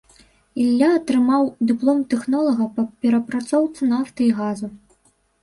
Ілля атрымаў дыплом тэхнолага па перапрацоўцы нафты і газу.